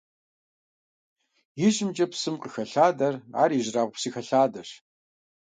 ИжьымкӀэ псым къыхэлъадэр ар ижьырабгъу псы хэлъадэщ.